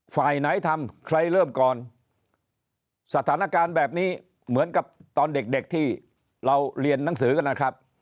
ฝ่ายไหนทำใครเริ่มก่อนสถานการณ์แบบนี้เหมือนกับตอนเด็กเด็กที่เราเรียนหนังสือกันนะครับ